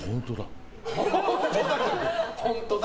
本当だ。